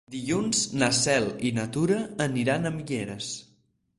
Dilluns na Cel i na Tura aniran a Mieres.